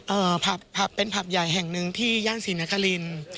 ผับผับเป็นผับใหญ่แห่งหนึ่งที่ย่านศรีนคริน